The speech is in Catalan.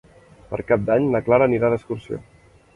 Per Cap d'Any na Clara anirà d'excursió.